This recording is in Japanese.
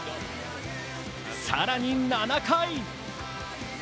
更に７回。